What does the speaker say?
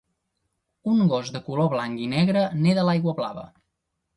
Un gos de color blanc i negre neda a l'aigua blava.